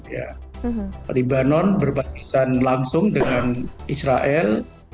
ya libanon berbatasan langsung dengan israel